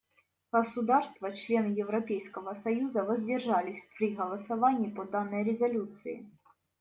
Государства — члены Европейского союза воздержались при голосовании по данной резолюции.